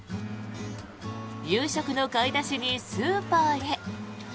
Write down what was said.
夕食の買い出しにスーパーへ。